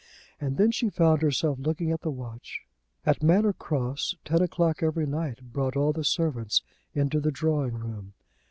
And then she found herself looking at the watch. At Manor Cross ten o'clock every night brought all the servants into the drawing room.